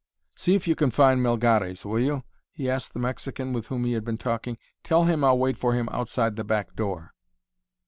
"See if you can find Melgares, will you?" he asked the Mexican with whom he had been talking. "Tell him I'll wait for him outside the back door."